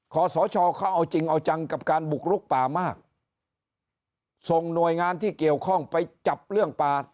ขอสชเขาเอาจริงเอาจังกับการบุกลุกป่ามากส่งหน่วยงานที่เกี่ยวข้องไปจับเรื่องป่า